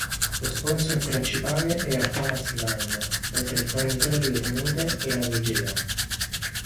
Lo sponsor principale era Thomas Line mentre il fornitore delle tenute era Legea.